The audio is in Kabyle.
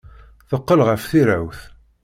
Teqqel ɣer tirawt.